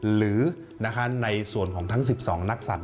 หรือในส่วนของทั้ง๑๒นักสัตว